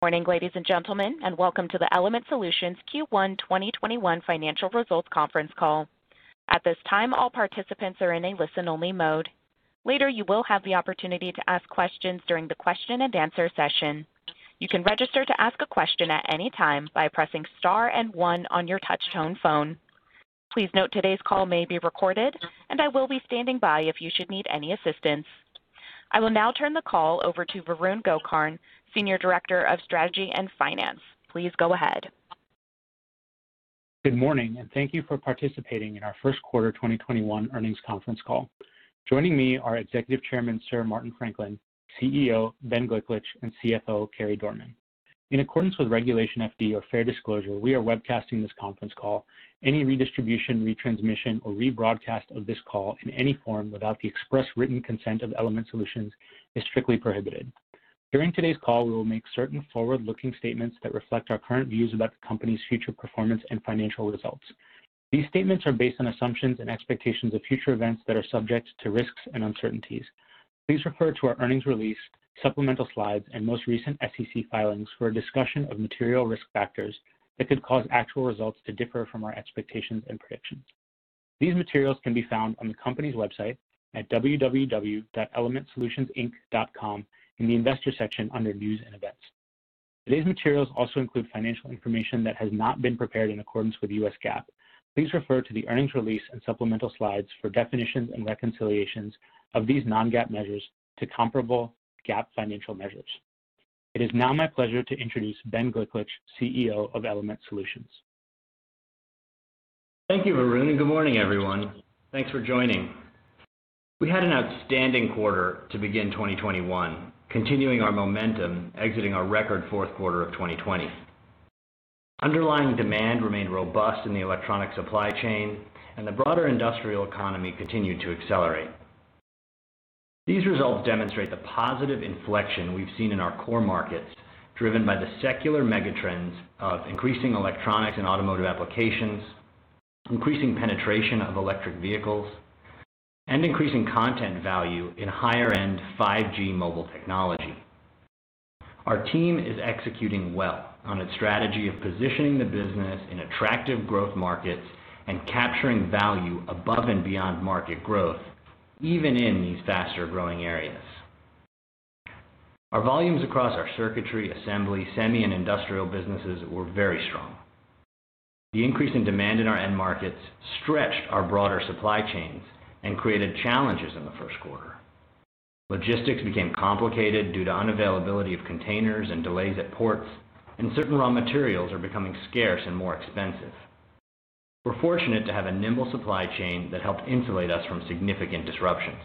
Morning, ladies and gentlemen, and welcome to the Element Solutions Q1 2021 Financial Results Conference Call. At this time all participants are in listen only mode. Later you will have the opportunity to ask questions during the question and answer session. You can register to ask a question at any time by pressing star and one on your touch tone phone. Please note today's call may be recorded and I will be standing by if you should need any assistance. I will now turn the call over to Varun Gokarn, Senior Director of Strategy and Finance. Please go ahead. Good morning, and thank you for participating in our first quarter 2021 earnings conference call. Joining me are Executive Chairman, Sir Martin Franklin, CEO, Ben Gliklich, and CFO, Carey Dorman. In accordance with Regulation FD, or fair disclosure, we are webcasting this conference call. Any redistribution, retransmission, or rebroadcast of this call in any form without the express written consent of Element Solutions is strictly prohibited. During today's call, we will make certain forward-looking statements that reflect our current views about the company's future performance and financial results. These statements are based on assumptions and expectations of future events that are subject to risks and uncertainties. Please refer to our earnings release, supplemental slides, and most recent SEC filings for a discussion of material risk factors that could cause actual results to differ from our expectations and predictions. These materials can be found on the company's website at www.elementsolutionsinc.com in the Investor section under News and Events. Today's materials also include financial information that has not been prepared in accordance with US GAAP. Please refer to the earnings release and supplemental slides for definitions and reconciliations of these non-GAAP measures to comparable GAAP financial measures. It is now my pleasure to introduce Ben Gliklich, CEO of Element Solutions. Thank you, Varun, and good morning, everyone. Thanks for joining. We had an outstanding quarter to begin 2021, continuing our momentum exiting our record fourth quarter of 2020. Underlying demand remained robust in the electronic supply chain, and the broader industrial economy continued to accelerate. These results demonstrate the positive inflection we've seen in our core markets, driven by the secular megatrends of increasing electronics and automotive applications, increasing penetration of electric vehicles, and increasing content value in higher-end 5G mobile technology. Our team is executing well on its strategy of positioning the business in attractive growth markets and capturing value above and beyond market growth, even in these faster-growing areas. Our volumes across our circuitry, assembly, semi, and industrial businesses were very strong. The increase in demand in our end markets stretched our broader supply chains and created challenges in the first quarter. Logistics became complicated due to unavailability of containers and delays at ports, and certain raw materials are becoming scarce and more expensive. We're fortunate to have a nimble supply chain that helped insulate us from significant disruptions.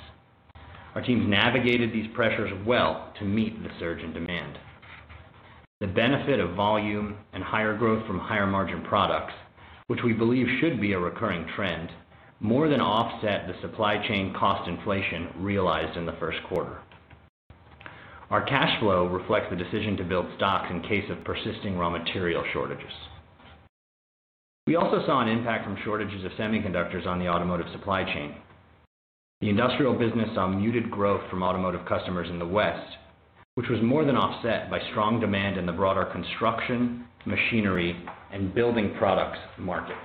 Our teams navigated these pressures well to meet the surge in demand. The benefit of volume and higher growth from higher-margin products, which we believe should be a recurring trend, more than offset the supply chain cost inflation realized in the first quarter. Our cash flow reflects the decision to build stocks in case of persisting raw material shortages. We also saw an impact from shortages of semiconductors on the automotive supply chain. The industrial business saw muted growth from automotive customers in the West, which was more than offset by strong demand in the broader construction, machinery, and building products markets.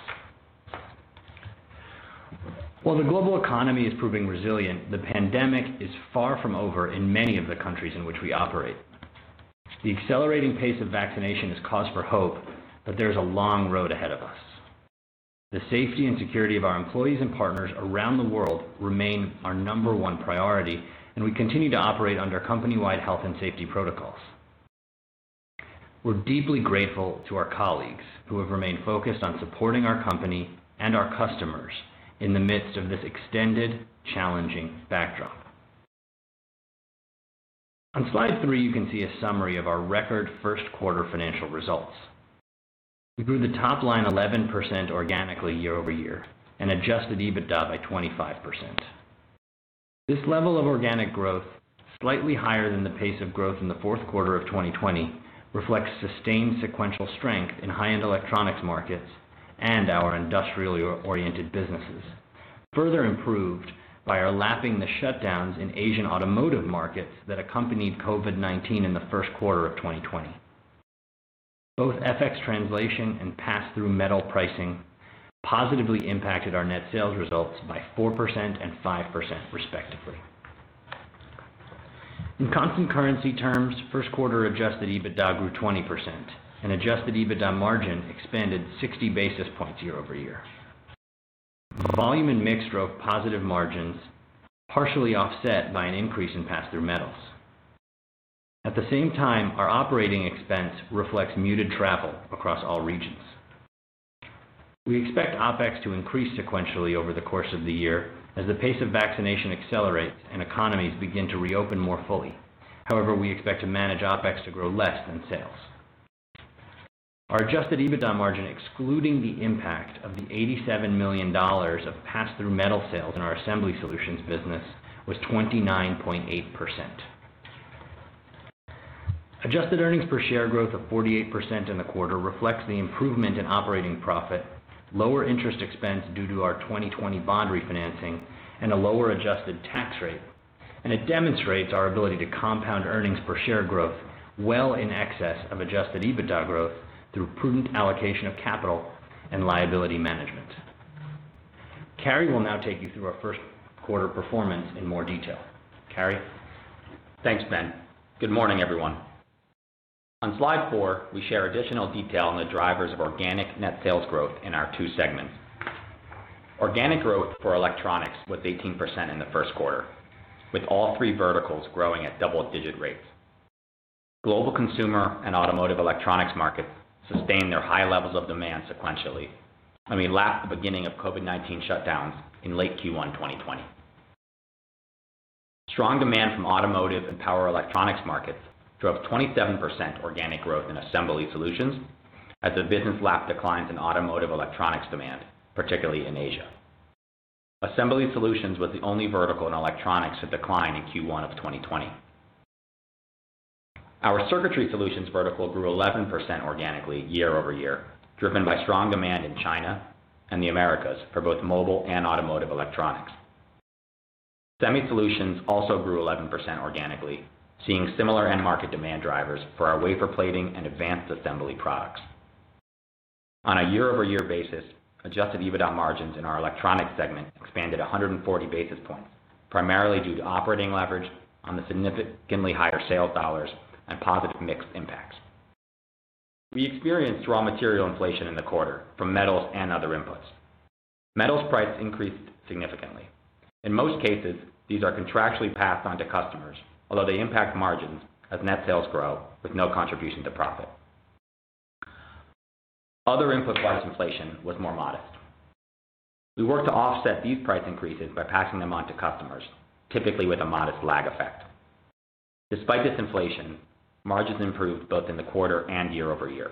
While the global economy is proving resilient, the pandemic is far from over in many of the countries in which we operate. The accelerating pace of vaccination is cause for hope, but there's a long road ahead of us. The safety and security of our employees and partners around the world remain our number one priority, and we continue to operate under company-wide health and safety protocols. We're deeply grateful to our colleagues who have remained focused on supporting our company and our customers in the midst of this extended, challenging backdrop. On slide three, you can see a summary of our record first quarter financial results. We grew the top line 11% organically year-over-year, and adjusted EBITDA by 25%. This level of organic growth, slightly higher than the pace of growth in the fourth quarter of 2020, reflects sustained sequential strength in high-end electronics markets and our industrially-oriented businesses, further improved by our lapping the shutdowns in Asian automotive markets that accompanied COVID-19 in the first quarter of 2020. Both FX translation and pass-through metal pricing positively impacted our net sales results by 4% and 5%, respectively. In constant currency terms, first quarter adjusted EBITDA grew 20%, and adjusted EBITDA margin expanded 60 basis points year-over-year. Volume and mix drove positive margins, partially offset by an increase in pass-through metals. At the same time, our operating expense reflects muted travel across all regions. We expect OpEx to increase sequentially over the course of the year as the pace of vaccination accelerates and economies begin to reopen more fully. However, we expect to manage OpEx to grow less than sales. Our adjusted EBITDA margin, excluding the impact of the $87 million of pass-through metal sales in our Assembly Solutions business, was 29.8%. Adjusted earnings per share growth of 48% in the quarter reflects the improvement in operating profit, lower interest expense due to our 2020 bond refinancing and a lower adjusted tax rate. It demonstrates our ability to compound earnings per share growth well in excess of adjusted EBITDA growth through prudent allocation of capital and liability management. Carey will now take you through our first quarter performance in more detail. Carey? Thanks, Ben. Good morning, everyone. On slide four, we share additional detail on the drivers of organic net sales growth in our two segments. Organic growth for Electronics was 18% in the first quarter, with all three verticals growing at double-digit rates. Global consumer and automotive electronics markets sustained their high levels of demand sequentially, and we lapped the beginning of COVID-19 shutdowns in late Q1 2020. Strong demand from automotive and power electronics markets drove 27% organic growth in Assembly Solutions as the business lapped declines in automotive electronics demand, particularly in Asia. Assembly Solutions was the only vertical in Electronics to decline in Q1 of 2020. Our Circuitry Solutions vertical grew 11% organically year-over-year, driven by strong demand in China and the Americas for both mobile and automotive electronics. Semiconductor Solutions also grew 11% organically, seeing similar end market demand drivers for our wafer plating and advanced Assembly Solutions products. On a year-over-year basis, adjusted EBITDA margins in our electronics segment expanded 140 basis points, primarily due to operating leverage on the significantly higher sales dollars and positive mix impacts. We experienced raw material inflation in the quarter from metals and other inputs. Metals prices increased significantly. In most cases, these are contractually passed on to customers, although they impact margins as net sales grow with no contribution to profit. Other input price inflation was more modest. We worked to offset these price increases by passing them on to customers, typically with a modest lag effect. Despite this inflation, margins improved both in the quarter and year-over-year.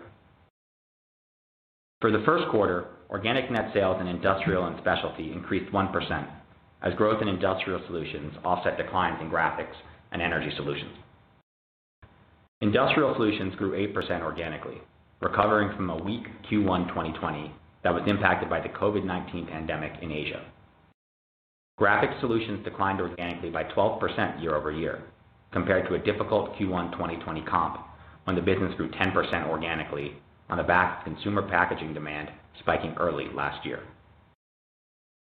For the first quarter, organic net sales in Industrial & Specialty increased 1% as growth in Industrial Solutions offset declines in Graphics and Energy Solutions. Industrial Solutions grew 8% organically, recovering from a weak Q1 2020 that was impacted by the COVID-19 pandemic in Asia. Graphics Solutions declined organically by 12% year-over-year, compared to a difficult Q1 2020 comp, when the business grew 10% organically on the back of consumer packaging demand spiking early last year.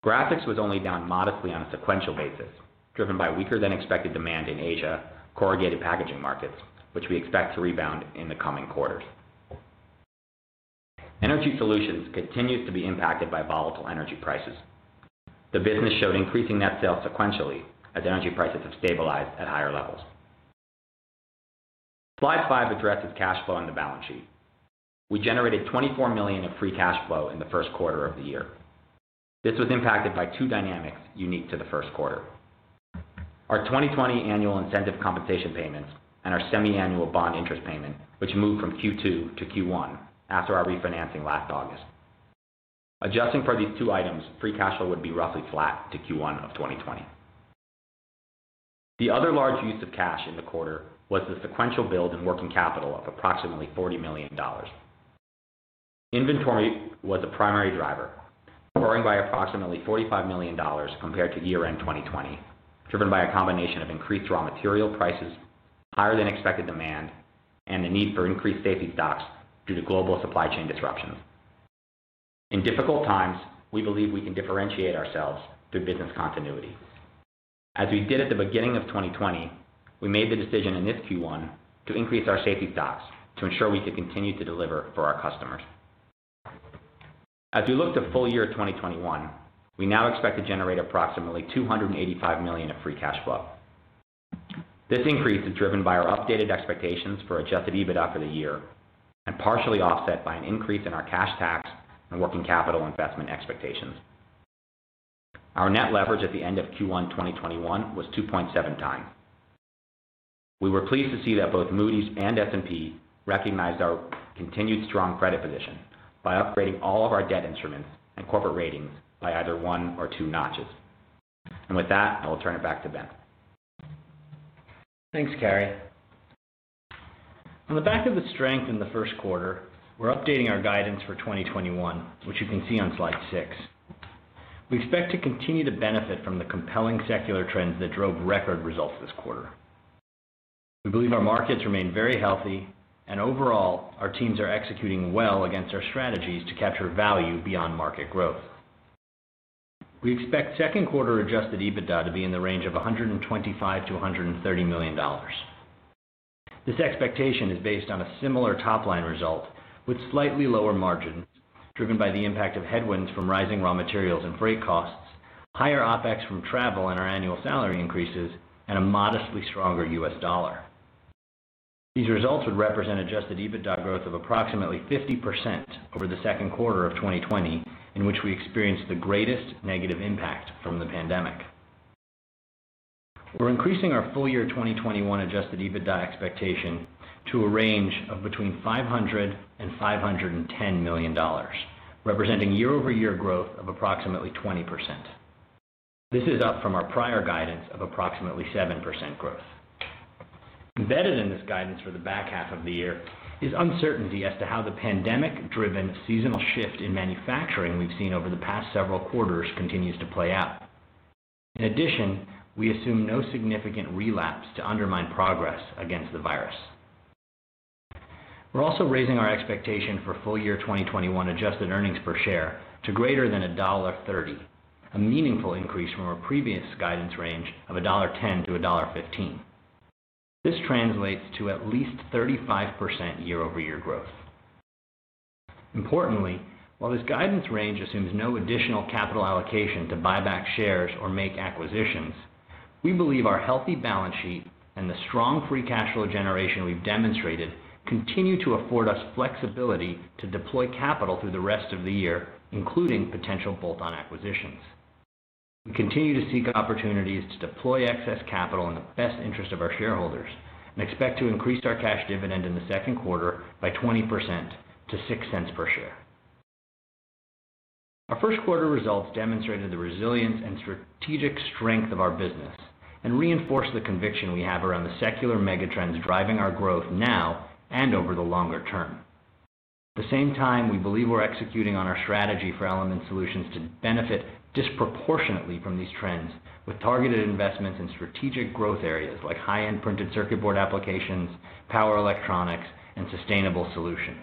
Graphics was only down modestly on a sequential basis, driven by weaker-than-expected demand in Asia corrugated packaging markets, which we expect to rebound in the coming quarters. Energy Solutions continues to be impacted by volatile energy prices. The business showed increasing net sales sequentially as energy prices have stabilized at higher levels. Slide five addresses cash flow on the balance sheet. We generated $24 million of free cash flow in the first quarter of the year. This was impacted by two dynamics unique to the first quarter: our 2020 annual incentive compensation payments and our semiannual bond interest payment, which moved from Q2 to Q1 after our refinancing last August. Adjusting for these two items, free cash flow would be roughly flat to Q1 of 2020. The other large use of cash in the quarter was the sequential build in working capital of approximately $40 million. Inventory was the primary driver, growing by approximately $45 million compared to year-end 2020, driven by a combination of increased raw material prices, higher-than-expected demand, and the need for increased safety stocks due to global supply chain disruptions. In difficult times, we believe we can differentiate ourselves through business continuity. As we did at the beginning of 2020, we made the decision in this Q1 to increase our safety stocks to ensure we could continue to deliver for our customers. As we look to full year 2021, we now expect to generate approximately $285 million of free cash flow. This increase is driven by our updated expectations for adjusted EBITDA for the year and partially offset by an increase in our cash tax and working capital investment expectations. Our net leverage at the end of Q1 2021 was 2.7x. We were pleased to see that both Moody's and S&P recognized our continued strong credit position by upgrading all of our debt instruments and corporate ratings by either one or two notches. With that, I will turn it back to Ben. Thanks, Carey. On the back of the strength in the first quarter, we're updating our guidance for 2021, which you can see on slide six. We expect to continue to benefit from the compelling secular trends that drove record results this quarter. We believe our markets remain very healthy, and overall, our teams are executing well against our strategies to capture value beyond market growth. We expect second quarter adjusted EBITDA to be in the range of $125 million-$130 million. This expectation is based on a similar top-line result with slightly lower margins driven by the impact of headwinds from rising raw materials and freight costs, higher OpEx from travel and our annual salary increases, and a modestly stronger US dollar. These results would represent adjusted EBITDA growth of approximately 50% over the second quarter of 2020, in which we experienced the greatest negative impact from the pandemic. We're increasing our full-year 2021 adjusted EBITDA expectation to a range of between $500 million and $510 million, representing year-over-year growth of approximately 20%. This is up from our prior guidance of approximately 7% growth. Embedded in this guidance for the back half of the year is uncertainty as to how the pandemic-driven seasonal shift in manufacturing we've seen over the past several quarters continues to play out. In addition, we assume no significant relapse to undermine progress against the virus. We're also raising our expectation for full year 2021 adjusted earnings per share to greater than $1.30, a meaningful increase from our previous guidance range of $1.10-$1.15. This translates to at least 35% year-over-year growth. Importantly, while this guidance range assumes no additional capital allocation to buy back shares or make acquisitions, we believe our healthy balance sheet and the strong free cash flow generation we've demonstrated continue to afford us flexibility to deploy capital through the rest of the year, including potential bolt-on acquisitions. We continue to seek opportunities to deploy excess capital in the best interest of our shareholders and expect to increase our cash dividend in the second quarter by 20% to $0.06 per share. Our first quarter results demonstrated the resilience and strategic strength of our business and reinforce the conviction we have around the secular mega trends driving our growth now and over the longer term. At the same time, we believe we're executing on our strategy for Element Solutions to benefit disproportionately from these trends with targeted investments in strategic growth areas like high-end printed circuit board applications, power electronics, and sustainable solutions.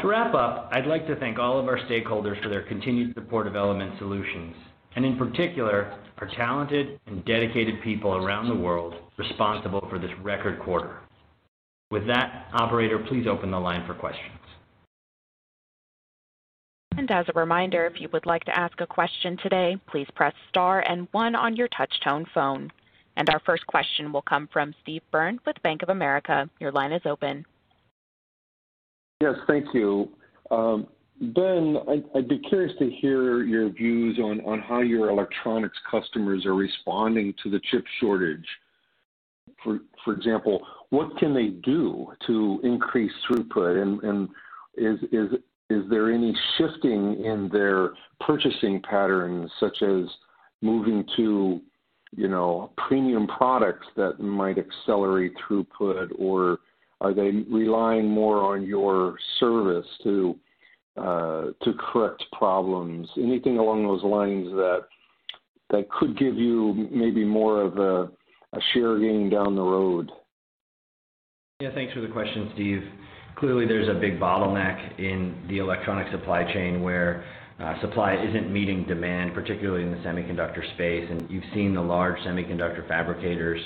To wrap up, I'd like to thank all of our stakeholders for their continued support of Element Solutions, and in particular, our talented and dedicated people around the world responsible for this record quarter. With that, operator, please open the line for questions. As a reminder, if you would like to ask a question today, please press star and one on your touch tone phone. Our first question will come from Steve Byrne with Bank of America. Your line is open. Yes, thank you. Ben, I'd be curious to hear your views on how your electronics customers are responding to the chip shortage. For example, what can they do to increase throughput? Is there any shifting in their purchasing patterns, such as moving to premium products that might accelerate throughput? Are they relying more on your service to correct problems? Anything along those lines that could give you maybe more of a share gain down the road? Yeah. Thanks for the question, Steve. Clearly, there's a big bottleneck in the electronic supply chain where supply isn't meeting demand, particularly in the semiconductor space. You've seen the large semiconductor fabricators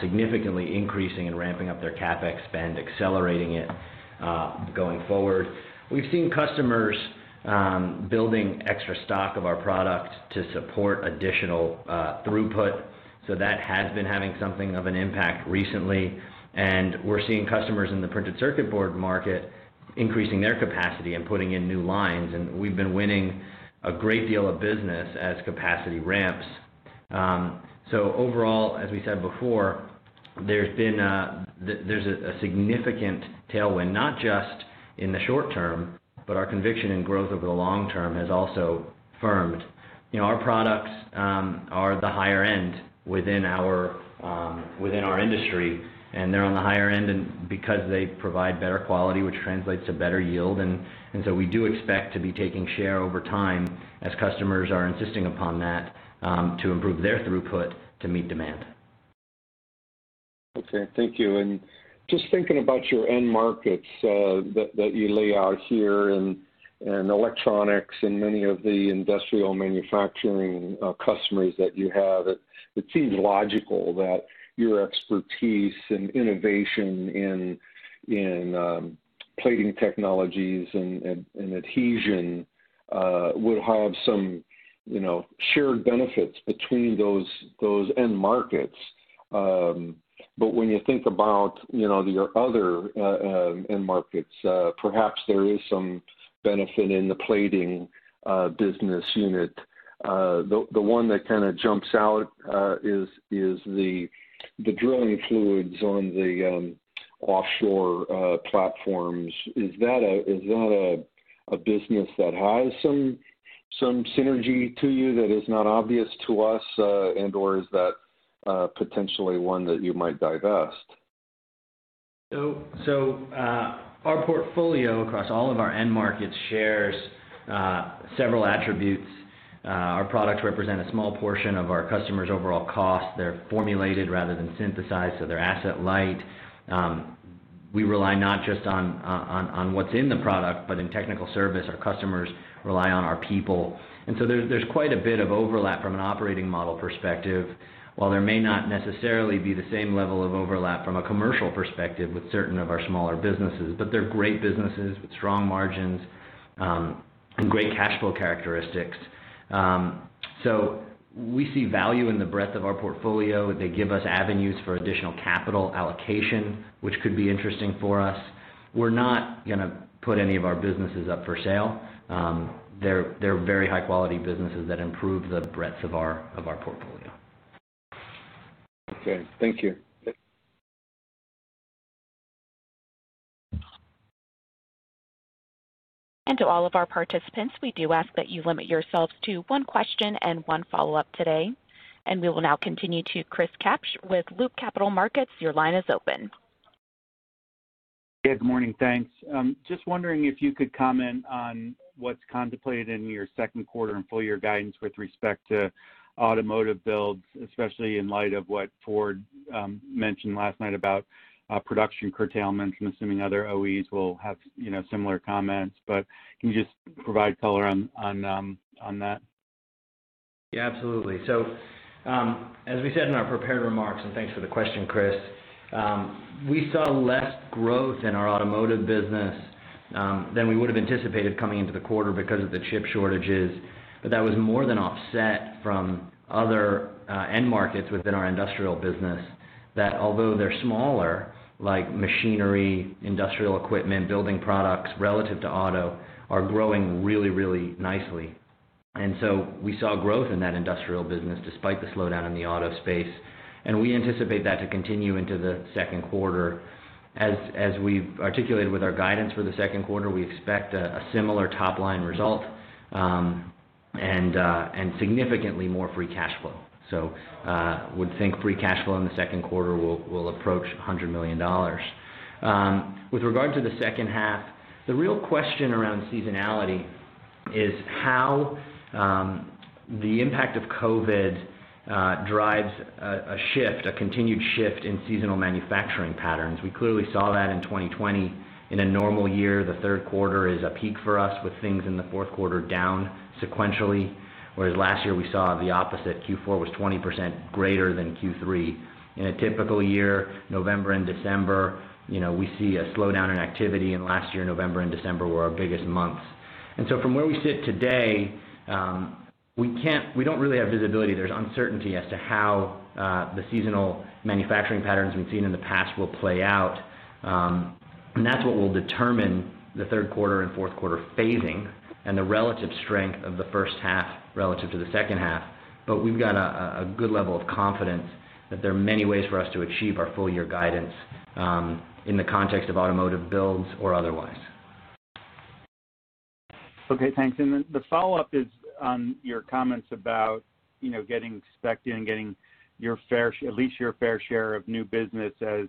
significantly increasing and ramping up their CapEx spend, accelerating it going forward. We've seen customers building extra stock of our product to support additional throughput. That has been having something of an impact recently, and we're seeing customers in the printed circuit board market increasing their capacity and putting in new lines, and we've been winning a great deal of business as capacity ramps. Overall, as we said before, there's a significant tailwind, not just in the short term, but our conviction in growth over the long term has also firmed. Our products are the higher end within our industry, and they're on the higher end because they provide better quality, which translates to better yield. We do expect to be taking share over time as customers are insisting upon that to improve their throughput to meet demand. Okay. Thank you. Just thinking about your end markets that you lay out here in Electronics and many of the industrial manufacturing customers that you have, it seems logical that your expertise and innovation in plating technologies and adhesion would have some shared benefits between those end markets. When you think about your other end markets, perhaps there is some benefit in the plating business unit. The one that kind of jumps out is the drilling fluids on the offshore platforms. Is that a business that has some synergy to you that is not obvious to us? And/or is that potentially one that you might divest? Our portfolio across all of our end markets shares several attributes. Our products represent a small portion of our customers' overall costs. They're formulated rather than synthesized, so they're asset light. We rely not just on what's in the product, but in technical service, our customers rely on our people. There's quite a bit of overlap from an operating model perspective, while there may not necessarily be the same level of overlap from a commercial perspective with certain of our smaller businesses. They're great businesses with strong margins and great cash flow characteristics. We see value in the breadth of our portfolio. They give us avenues for additional capital allocation, which could be interesting for us. We're not going to put any of our businesses up for sale. They're very high-quality businesses that improve the breadth of our portfolio. Okay. Thank you. To all of our participants, we do ask that you limit yourselves to one question and one follow-up today. We will now continue to Chris Kapsch with Loop Capital Markets. Your line is open. Good morning. Thanks. Just wondering if you could comment on what's contemplated in your second quarter and full year guidance with respect to automotive builds, especially in light of what Ford mentioned last night about production curtailment. I'm assuming other OEs will have similar comments, but can you just provide color on that? Absolutely. As we said in our prepared remarks, and thanks for the question, Chris, we saw less growth in our automotive business than we would have anticipated coming into the quarter because of the chip shortages. That was more than offset from other end markets within our Industrial Business that although they're smaller, like machinery, industrial equipment, building products relative to auto, are growing really nicely. We saw growth in that Industrial Business despite the slowdown in the auto space. We anticipate that to continue into the second quarter. As we've articulated with our guidance for the second quarter, we expect a similar top-line result, and significantly more free cash flow. Would think free cash flow in the second quarter will approach $100 million. With regard to the second half, the real question around seasonality is how the impact of COVID drives a continued shift in seasonal manufacturing patterns. We clearly saw that in 2020. In a normal year, the third quarter is a peak for us with things in the fourth quarter down sequentially. Last year we saw the opposite. Q4 was 20% greater than Q3. In a typical year, November and December, we see a slowdown in activity. Last year, November and December were our biggest months. From where we sit today, we don't really have visibility. There's uncertainty as to how the seasonal manufacturing patterns we've seen in the past will play out. That's what will determine the third quarter and fourth quarter phasing and the relative strength of the first half relative to the second half. We've got a good level of confidence that there are many ways for us to achieve our full-year guidance, in the context of automotive builds or otherwise. Thanks. The follow-up is on your comments about getting spec'd in, getting at least your fair share of new business as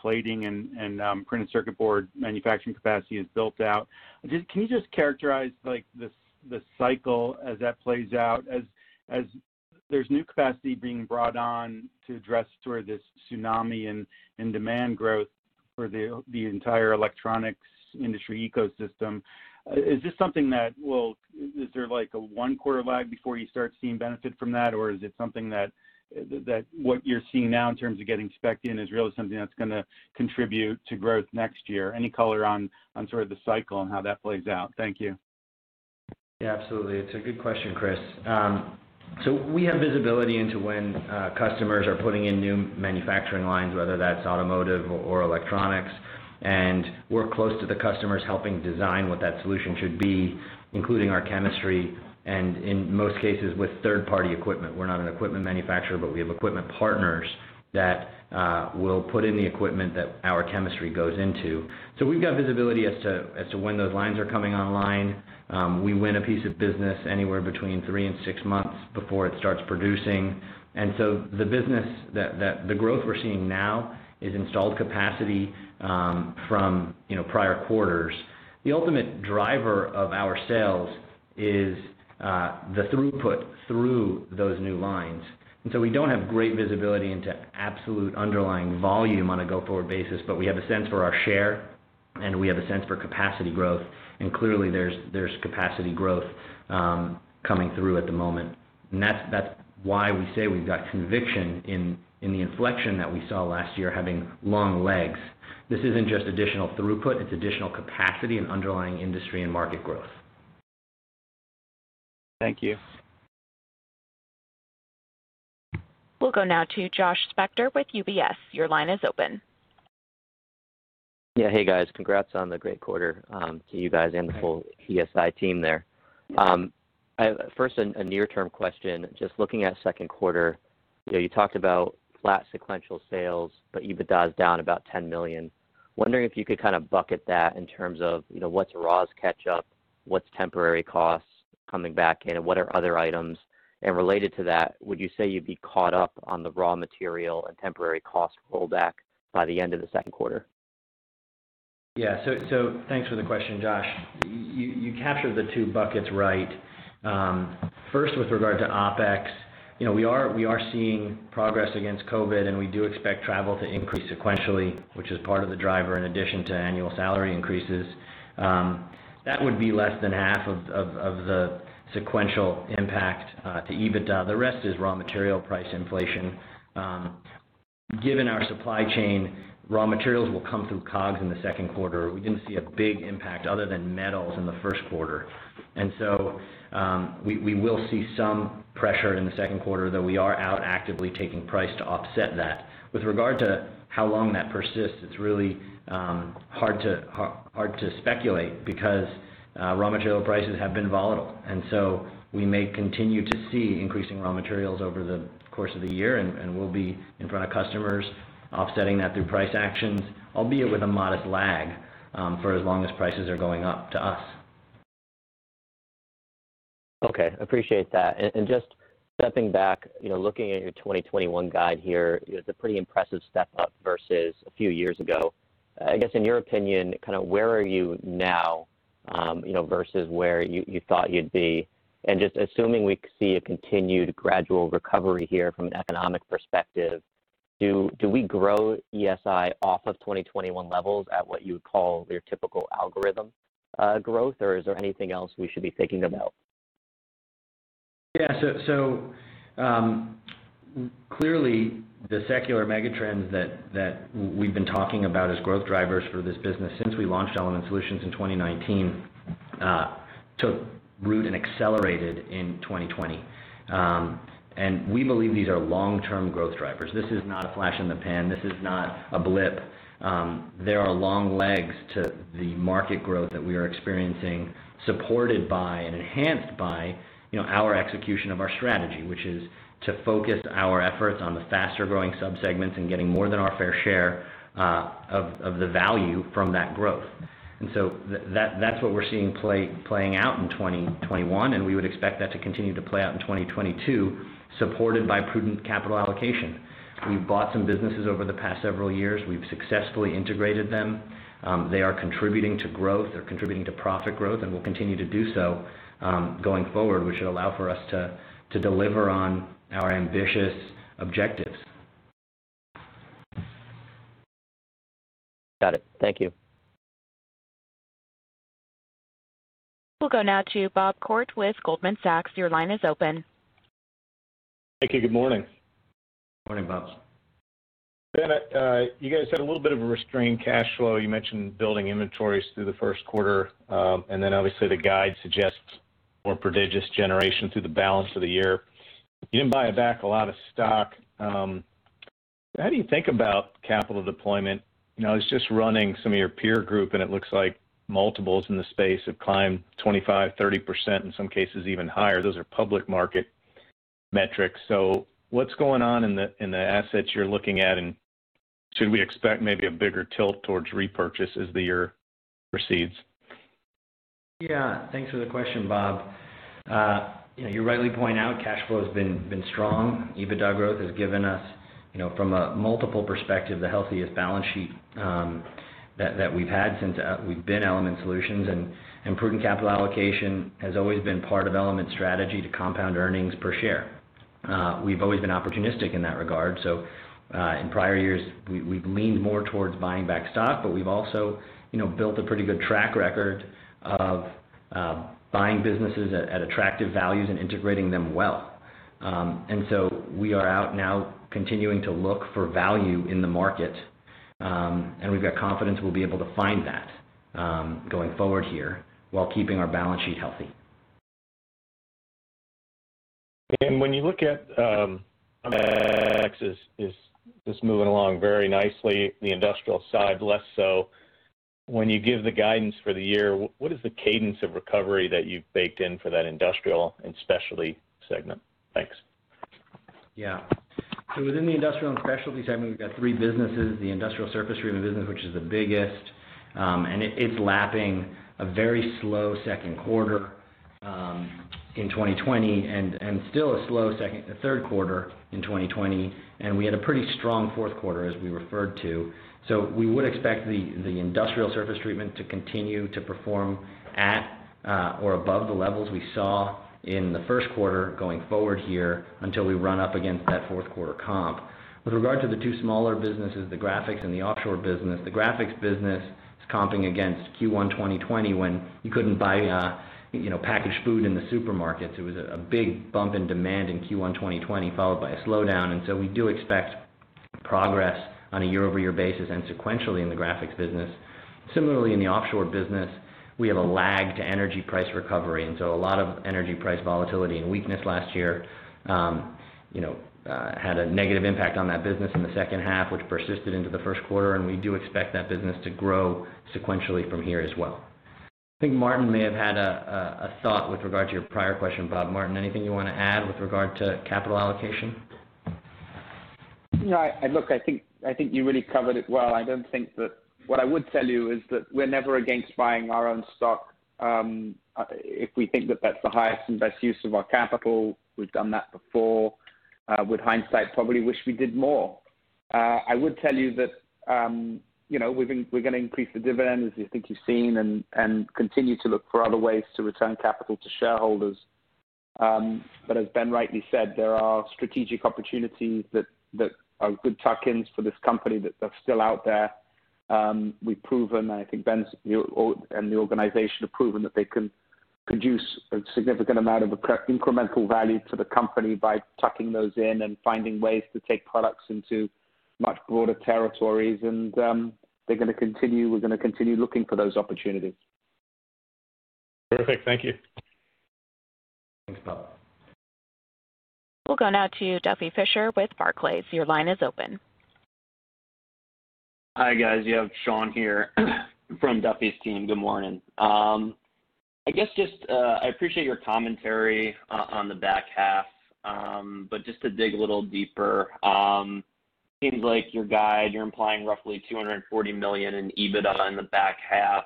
plating and printed circuit board manufacturing capacity is built out. Can you just characterize the cycle as that plays out, as there's new capacity being brought on to address this tsunami in demand growth for the entire electronics industry ecosystem? Is this something that is there a one-quarter lag before you start seeing benefit from that? Or is it something that what you're seeing now in terms of getting spec'd in is really something that's going to contribute to growth next year? Any color on sort of the cycle and how that plays out? Thank you. Yeah, absolutely. It's a good question, Chris. We have visibility into when customers are putting in new manufacturing lines, whether that's automotive or electronics, and we're close to the customers helping design what that solution should be, including our chemistry, and in most cases, with third-party equipment. We're not an equipment manufacturer, but we have equipment partners that will put in the equipment that our chemistry goes into. We've got visibility as to when those lines are coming online. We win a piece of business anywhere between three and six months before it starts producing. The growth we're seeing now is installed capacity from prior quarters. The ultimate driver of our sales is the throughput through those new lines. We don't have great visibility into absolute underlying volume on a go-forward basis, but we have a sense for our share, and we have a sense for capacity growth. Clearly there's capacity growth coming through at the moment. That's why we say we've got conviction in the inflection that we saw last year having long legs. This isn't just additional throughput, it's additional capacity and underlying industry and market growth. Thank you. We'll go now to Josh Spector with UBS. Your line is open. Yeah. Hey, guys. Congrats on the great quarter to you guys and the whole ESI team there. Thanks. First, a near-term question, just looking at second quarter. You talked about flat sequential sales, but EBITDA's down about $10 million. Wondering if you could kind of bucket that in terms of what's raws catch up, what's temporary costs coming back in, and what are other items? Related to that, would you say you'd be caught up on the raw material and temporary cost pullback by the end of the second quarter? Thanks for the question, Josh. You captured the two buckets right. First with regard to OpEx, we are seeing progress against COVID, and we do expect travel to increase sequentially, which is part of the driver in addition to annual salary increases. That would be less than half of the sequential impact to EBITDA. The rest is raw material price inflation. Given our supply chain, raw materials will come through COGS in the second quarter. We didn't see a big impact other than metals in the first quarter. We will see some pressure in the second quarter, though we are out actively taking price to offset that. With regard to how long that persists, it's really hard to speculate because raw material prices have been volatile. We may continue to see increasing raw materials over the course of the year, and we'll be in front of customers offsetting that through price actions, albeit with a modest lag, for as long as prices are going up to us. Okay, appreciate that. Just stepping back, looking at your 2021 guide here, it's a pretty impressive step up versus a few years ago. I guess in your opinion, where are you now versus where you thought you'd be? Just assuming we see a continued gradual recovery here from an economic perspective, do we grow ESI off of 2021 levels at what you would call your typical algorithm growth or is there anything else we should be thinking about? Yeah. Clearly the secular mega trends that we've been talking about as growth drivers for this business since we launched Element Solutions in 2019, took root and accelerated in 2020. We believe these are long-term growth drivers. This is not a flash in the pan. This is not a blip. There are long legs to the market growth that we are experiencing, supported by and enhanced by our execution of our strategy, which is to focus our efforts on the faster-growing sub-segments and getting more than our fair share of the value from that growth. That's what we're seeing playing out in 2021, and we would expect that to continue to play out in 2022, supported by prudent capital allocation. We've bought some businesses over the past several years. We've successfully integrated them. They are contributing to growth, they're contributing to profit growth, and will continue to do so going forward, which should allow for us to deliver on our ambitious objectives. Got it. Thank you. We'll go now to Bob Koort with Goldman Sachs. Your line is open. Thank you. Good morning. Morning, Bob. Ben, you guys had a little bit of a restrained cash flow. You mentioned building inventories through the first quarter. Obviously the guide suggests more prodigious generation through the balance of the year. You didn't buy back a lot of stock. How do you think about capital deployment? I was just running some of your peer group. It looks like multiples in the space have climbed 25%, 30%, in some cases even higher. Those are public market metrics. What's going on in the assets you're looking at? Should we expect maybe a bigger tilt towards repurchase as the year proceeds? Yeah. Thanks for the question, Bob. You rightly point out cash flow has been strong. EBITDA growth has given us, from a multiple perspective, the healthiest balance sheet that we've had since we've been Element Solutions. Prudent capital allocation has always been part of Element's strategy to compound earnings per share. We've always been opportunistic in that regard. In prior years, we've leaned more towards buying back stock, but we've also built a pretty good track record of buying businesses at attractive values and integrating them well. We are out now continuing to look for value in the market, and we've got confidence we'll be able to find that going forward here, while keeping our balance sheet healthy. It is just moving along very nicely. The industrial side less so. When you give the guidance for the year, what is the cadence of recovery that you've baked in for that Industrial & Specialty segment? Thanks. Yeah. Within the Industrial & Specialty segment, we've got three businesses, the industrial surface treatment business, which is the biggest, and it's lapping a very slow second quarter in 2020 and still a slow third quarter in 2020. We had a pretty strong fourth quarter, as we referred to. We would expect the industrial surface treatment to continue to perform at or above the levels we saw in the first quarter going forward here until we run up against that fourth quarter comp. With regard to the two smaller businesses, the graphics and the offshore business, the graphics business is comping against Q1 2020 when you couldn't buy packaged food in the supermarkets. It was a big bump in demand in Q1 2020, followed by a slowdown. We do expect progress on a year-over-year basis and sequentially in the graphics business. Similarly, in the offshore business, we have a lag to energy price recovery, and so a lot of energy price volatility and weakness last year had a negative impact on that business in the second half, which persisted into the first quarter, and we do expect that business to grow sequentially from here as well. I think Martin may have had a thought with regard to your prior question, Bob. Martin, anything you want to add with regard to capital allocation? No. Look, I think you really covered it well. What I would tell you is that we're never against buying our own stock if we think that that's the highest and best use of our capital. We've done that before. With hindsight, probably wish we did more. I would tell you that we're going to increase the dividend, as I think you've seen, and continue to look for other ways to return capital to shareholders. As Ben rightly said, there are strategic opportunities that are good tuck-ins for this company that are still out there. We've proven, and I think Ben and the organization have proven, that they can produce a significant amount of incremental value to the company by tucking those in and finding ways to take products into much broader territories. We're going to continue looking for those opportunities. Perfect. Thank you. Thanks, Bob. We'll go now to Duffy Fischer with Barclays. Your line is open. Hi, guys. You have Sean here from Duffy's team. Good morning. I appreciate your commentary on the back half. Just to dig a little deeper. Seems like your guide, you're implying roughly $240 million in EBITDA in the back half.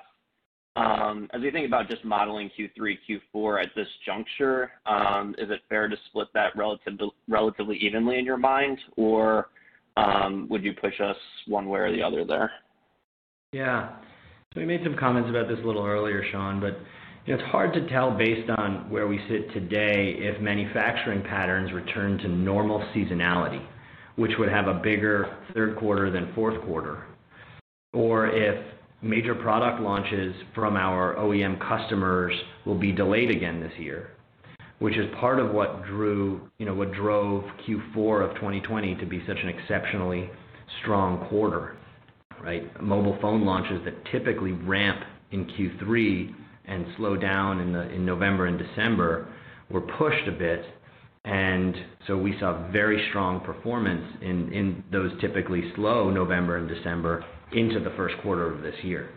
As we think about just modeling Q3, Q4 at this juncture, is it fair to split that relatively evenly in your mind, or would you push us one way or the other there? Yeah. We made some comments about this a little earlier, Sean. It's hard to tell based on where we sit today, if manufacturing patterns return to normal seasonality, which would have a bigger third quarter than fourth quarter. If major product launches from our OEM customers will be delayed again this year, which is part of what drove Q4 of 2020 to be such an exceptionally strong quarter. Right? Mobile phone launches that typically ramp in Q3 and slow down in November and December, were pushed a bit. We saw very strong performance in those typically slow November and December into the first quarter of this year.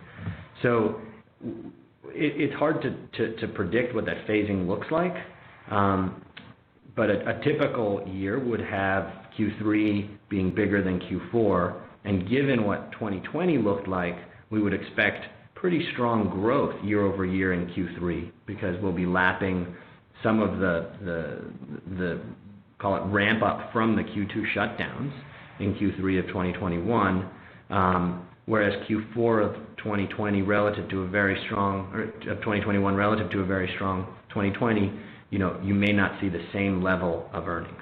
It's hard to predict what that phasing looks like. A typical year would have Q3 being bigger than Q4, and given what 2020 looked like, we would expect pretty strong growth year-over-year in Q3, because we'll be lapping some of the, call it ramp up from the Q2 shutdowns in Q3 of 2021. Whereas Q4 of 2021 relative to a very strong 2020, you may not see the same level of earnings.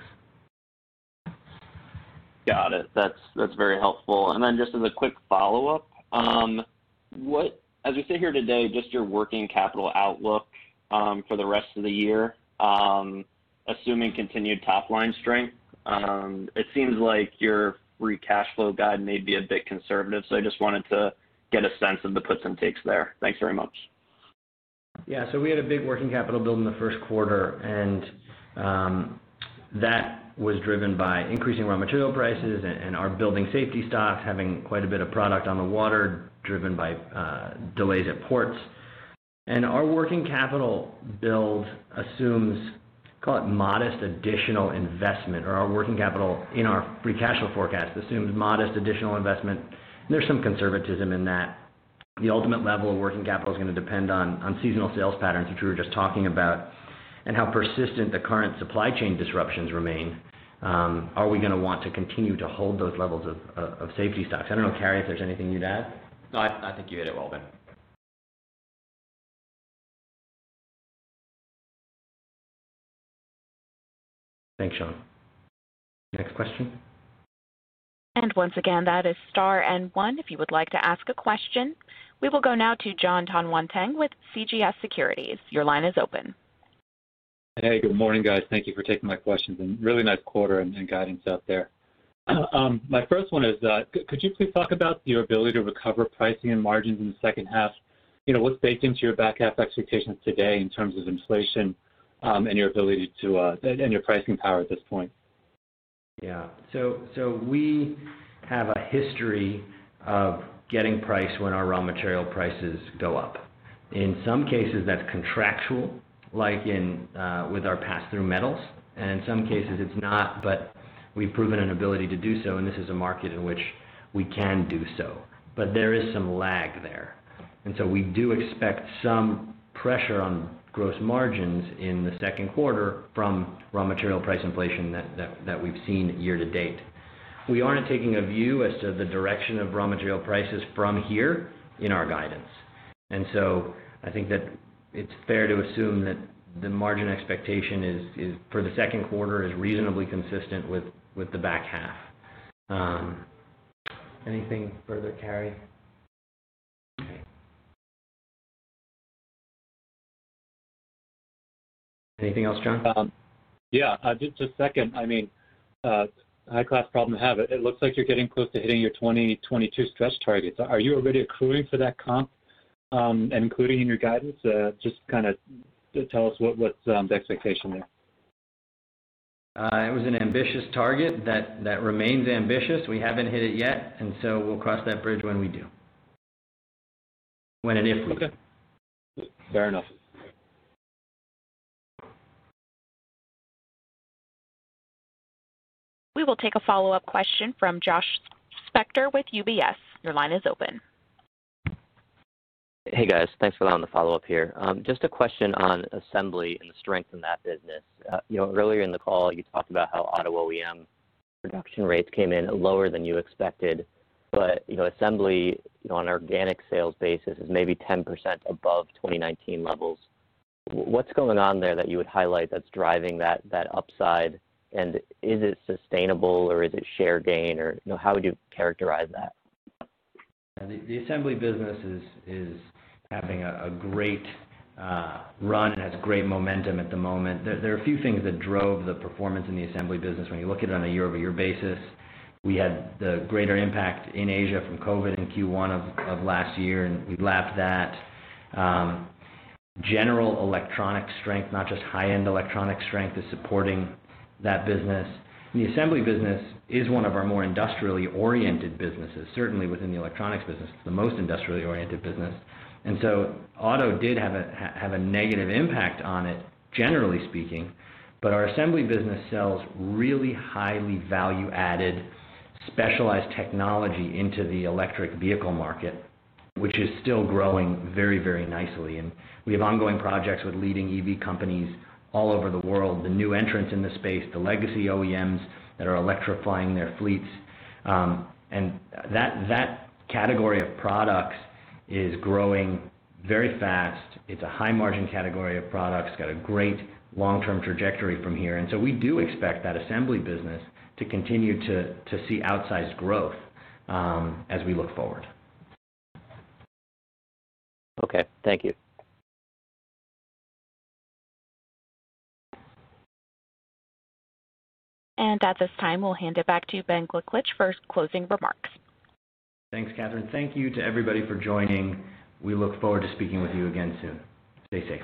Got it. That's very helpful. Then just as a quick follow-up, as we sit here today, just your working capital outlook for the rest of the year, assuming continued top line strength. It seems like your free cash flow guide may be a bit conservative, so I just wanted to get a sense of the puts and takes there. Thanks very much. We had a big working capital build in the first quarter, and that was driven by increasing raw material prices and our building safety stocks having quite a bit of product on the water driven by delays at ports. Our working capital build assumes, call it modest additional investment, or our working capital in our free cash flow forecast assumes modest additional investment, and there's some conservatism in that. The ultimate level of working capital is going to depend on seasonal sales patterns, which we were just talking about, and how persistent the current supply chain disruptions remain. Are we going to want to continue to hold those levels of safety stocks? I don't know, Carey, if there's anything you'd add. No, I think you hit it well, Ben. Thanks, Sean. Next question. Once again, that is star and one, if you would like to ask a question. We will go now to John Tanwanteng with CJS Securities. Your line is open. Hey, good morning, guys. Thank you for taking my questions, and really nice quarter and guidance out there. My first one is, could you please talk about your ability to recover pricing and margins in the second half? What's baked into your back half expectations today in terms of inflation and your pricing power at this point? Yeah. We have a history of getting price when our raw material prices go up. In some cases, that's contractual, like with our passthrough metals, and in some cases it's not, but we've proven an ability to do so, and this is a market in which we can do so. There is some lag there. We do expect some pressure on gross margins in the second quarter from raw material price inflation that we've seen year to date. We aren't taking a view as to the direction of raw material prices from here in our guidance, and so I think that it's fair to assume that the margin expectation for the second quarter is reasonably consistent with the back half. Anything further, Carey? Okay. Anything else, John? Yeah, just to second, I mean, high class problem to have. It looks like you're getting close to hitting your 2022 stretch targets. Are you already accruing for that comp, and including in your guidance? Just kind of tell us what's the expectation there. It was an ambitious target that remains ambitious. We haven't hit it yet, and so we'll cross that bridge when we do. When and if we do. Okay. Fair enough. We will take a follow-up question from Josh Spector with UBS. Your line is open. Hey, guys. Thanks for allowing the follow-up here. Just a question on assembly and the strength in that business. Earlier in the call, you talked about how auto OEM production rates came in lower than you expected. Assembly on organic sales basis is maybe 10% above 2019 levels. What's going on there that you would highlight that's driving that upside, and is it sustainable or is it share gain or how would you characterize that? The assembly business is having a great run and has great momentum at the moment. There are a few things that drove the performance in the assembly business when you look at it on a year-over-year basis. We had the greater impact in Asia from COVID in Q1 of last year, and we lapped that. General electronic strength, not just high-end electronic strength, is supporting that business. The assembly business is one of our more industrially oriented businesses, certainly within the electronics business, it's the most industrially oriented business. Auto did have a negative impact on it, generally speaking. Our assembly business sells really highly value added, specialized technology into the electric vehicle market, which is still growing very nicely. We have ongoing projects with leading EV companies all over the world. The new entrants in the space, the legacy OEMs that are electrifying their fleets. That category of products is growing very fast. It's a high margin category of products. Got a great long-term trajectory from here. We do expect that assembly business to continue to see outsized growth as we look forward. Okay. Thank you. At this time, we'll hand it back to Ben Gliklich for his closing remarks. Thanks, Catherine. Thank you to everybody for joining. We look forward to speaking with you again soon. Stay safe.